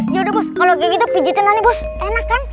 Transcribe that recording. ya udah bos kalau kayak gitu pijitnya bos enak kan